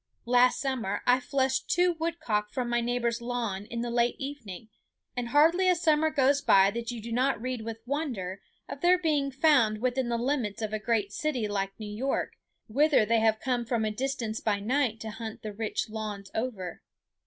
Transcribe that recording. Last summer I flushed two woodcock from my neighbor's lawn in the late evening; and hardly a summer goes by that you do not read with wonder of their being found within the limits of a great city like New York, whither they have come from a distance by night to hunt the rich lawns over.